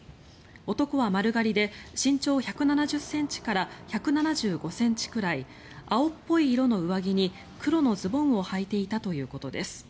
男は丸刈りで身長１７０ｃｍから１７５ｃｍくらい青っぽい色の上着に黒のズボンをはいていたということです。